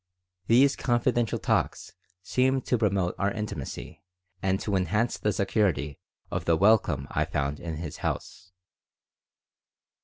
These confidential talks seemed to promote our intimacy and to enhance the security of the welcome I found in his house.